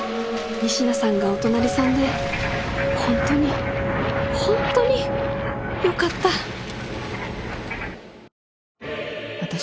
仁科さんがお隣さんでホントにホントによかったヘイ！